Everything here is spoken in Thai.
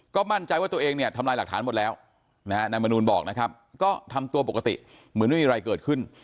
ก็มั่นใจว่าตัวเองเนี่ยทำลายหลักฐานหมดแล้วนะฮะนายมนูลบอกนะครับก็ทำตัวปกติเหมือนไม่มีอะไรเกิดขึ้น